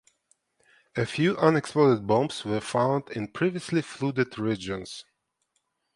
A few unexploded bombs were found in previously flooded regions.